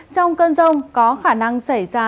trong cơn rông có khả năng xảy ra